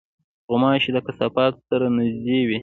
غوماشې د کثافاتو سره نزدې وي.